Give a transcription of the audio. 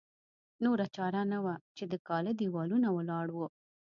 نوره چاره نه وه چې د کاله دېوالونه ولاړ وو.